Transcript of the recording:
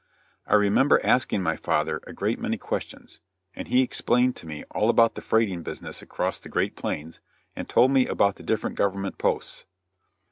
I remember asking my father a great many questions, and he explained to me all about the freighting business across the great plains, and told me about the different government posts.